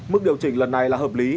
mức điều chỉnh lần này là hợp lý